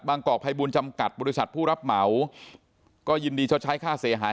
กอกภัยบูลจำกัดบริษัทผู้รับเหมาก็ยินดีชดใช้ค่าเสียหาย